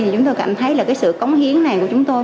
chúng tôi cảm thấy là cái sự cống hiến này của chúng tôi